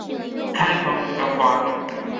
开口比较宽